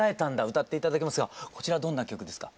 歌って頂きますがこちらどんな曲ですか？